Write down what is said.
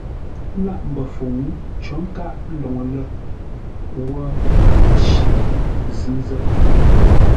Lâʼ mbəfuŋ cǒ nkâʼ LÔŊLƏ wə́ nkaŋ nci Zʉ́zə́.